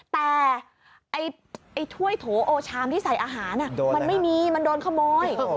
แต่ไอ้ถ้วยโถโอชามที่ใส่อาหารมันไม่มีมันโดนขโมย